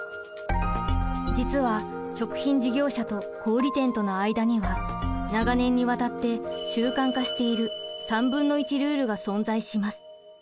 実は食品事業者と小売店との間には長年にわたって習慣化している３分の１ルールが存在します。